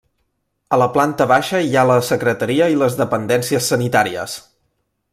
A la planta baixa hi ha la secretaria i les dependències sanitàries.